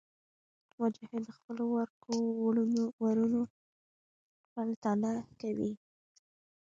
مجاهد د خپلو ورکو وروڼو پلټنه کوي.